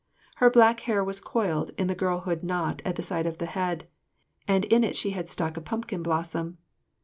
Her black hair was coiled in the girlhood knot at the side of the head, and in it she had stuck a pumpkin blossom.